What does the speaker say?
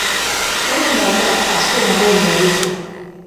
Hemen daukak azken ahalegin hori.